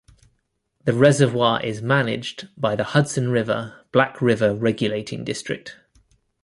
The reservoir is managed by the Hudson River Black River Regulating District.